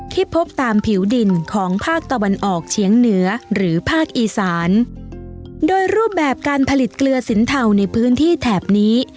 พบตามผิวดินของภาคตะวันออกเฉียงเหนือหรือภาคอีสานโดยรูปแบบการผลิตเกลือสินเทาในพื้นที่แถบนี้